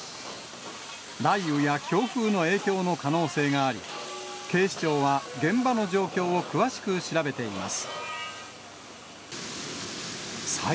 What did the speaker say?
雷雨や強風の影響の可能性があり、警視庁は現場の状況を詳しく調べています。